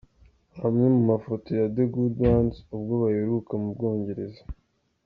Amwe mu mafoto ya ’The Good Ones’ ubwo baheruka mu Bwongereza.